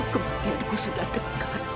kebahagiaanku sudah dekat